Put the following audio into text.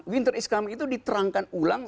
winter is comi itu diterangkan ulang